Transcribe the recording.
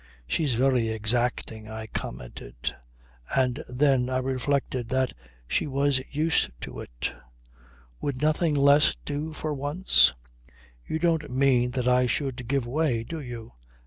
"She's very exacting," I commented. And then I reflected that she was used to it. "Would nothing less do for once?" "You don't mean that I should give way do you?"